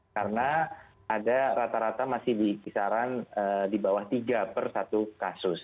karena ada rata rata masih di kisaran di bawah tiga per satu kasus